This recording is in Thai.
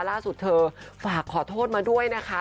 ล่าสุดเธอฝากขอโทษมาด้วยนะคะ